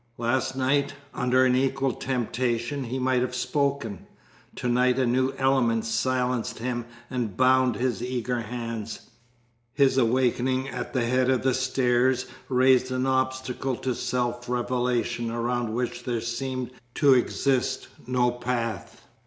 Last night, under an equal temptation, he might have spoken. To night a new element silenced him and bound his eager hands. His awakening at the head of the stairs raised an obstacle to self revelation around which there seemed to exist no path.